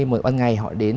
một con ngày họ đến